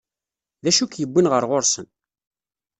D acu i k-yewwin ɣer ɣur-sen?